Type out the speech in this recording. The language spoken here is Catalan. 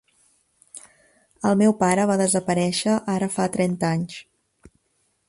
El meu pare va desaparèixer ara fa trenta anys...